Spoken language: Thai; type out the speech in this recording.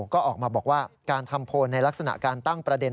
ก็ออกมาบอกว่าการทำโพลในลักษณะการตั้งประเด็น